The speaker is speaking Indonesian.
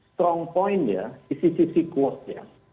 strong point ya isi isi close ya